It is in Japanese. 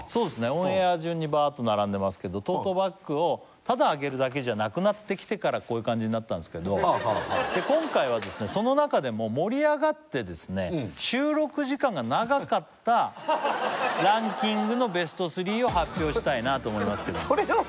オンエア順にばーっと並んでますけどトートバッグをただあげるだけじゃなくなってきてからこういう感じになったんですけど今回はですねその中でも盛り上がってですねを発表したいなと思いますそうです